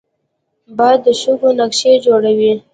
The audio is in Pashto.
باد د شګو نقاشي جوړوي